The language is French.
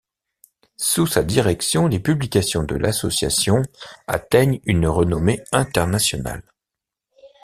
Sous sa direction, les publications de l'association atteignent une renommée internationale.